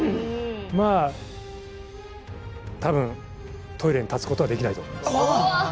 まあ、たぶんトイレに立つことはできないと思います。